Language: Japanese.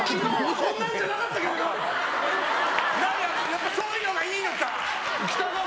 やっぱりそういうのがいいのか。